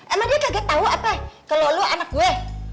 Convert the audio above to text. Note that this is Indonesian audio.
emang dia kaget tahu apa kalau lo anak gue